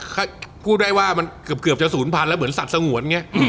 กูด้วยว่ามันเกือบจะศูนย์พันแล้วเหมือนสัตว์สังหวนไง